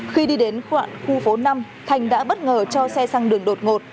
khi đi đến khoảng khu phố năm thành đã bất ngờ cho xe sang đường đột ngột